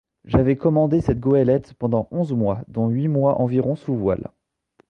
J'avais commandé cette goélette pendant onze mois, dont huit mois environ sous voiles.